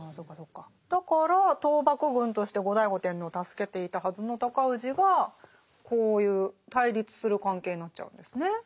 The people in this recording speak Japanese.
だから倒幕軍として後醍醐天皇を助けていたはずの尊氏がこういう対立する関係になっちゃうんですね。